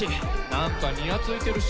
「なんかニヤついてるし！」。